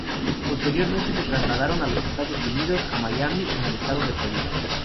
Posteriormente se trasladaron a los Estados Unidos, a Miami, en el estado de Florida.